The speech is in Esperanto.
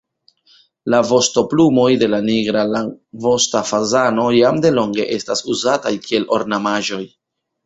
La vostoplumoj de la nigra longvosta fazano jam delonge estas uzataj kiel ornamaĵoj.